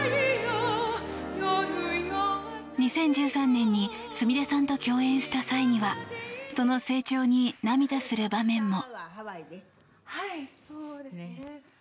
２０１３年にすみれさんと共演した際にはその成長に涙する場面も。